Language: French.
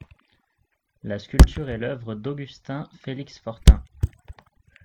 La sculpture est l'œuvre d'Augustin Félix Fortin.